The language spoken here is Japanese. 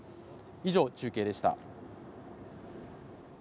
以上、中継でした。